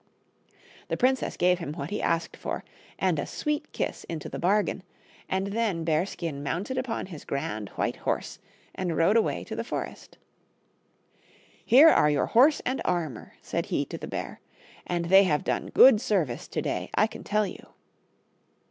The princess gave him what he asked for, and a sweet kiss into the bargain, and then Bearskin mounted upon his grand white horse and rode away to the forest. " Here are your horse and armor," said he to the bear, "and they have done good service to day, I can tell you."